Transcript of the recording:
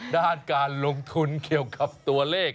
ด้านการลงทุนเกี่ยวกับตัวเลข